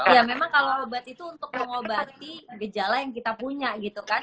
ya memang kalau obat itu untuk mengobati gejala yang kita punya gitu kan